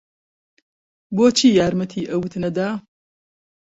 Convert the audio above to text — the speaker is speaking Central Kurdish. بۆچی یارمەتی ئەوت نەدا؟